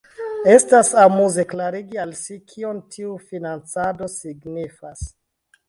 Estas amuze klarigi al si, kion tiu financado signifas.